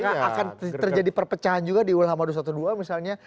apakah akan terjadi perpecahan juga di ulama dua ratus dua belas misalnya